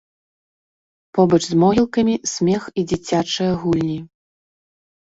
Побач з могілкамі смех і дзіцячыя гульні.